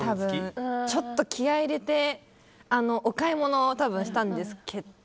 ちょっと気合を入れてお買い物をしたんですけど。